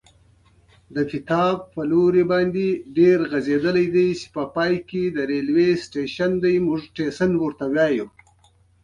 دا لیکنه د متلونو په اړه یو بشپړ معلومات وړاندې کوي